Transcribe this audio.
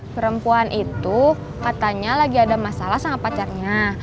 perempuan itu katanya lagi ada masalah sama pacarnya